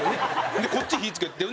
でこっち火つけて。